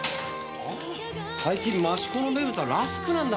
最近益子の名物はラスクなんだ。